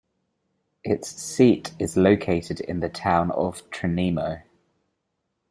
Its seat is located in the town of Tranemo.